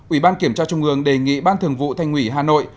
ủy ban kiểm tra trung ương đề nghị ban thường vụ thanh ủy hà nội